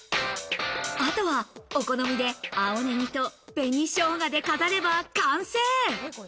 あとは、お好みで青ネギと紅ショウガで飾れば完成。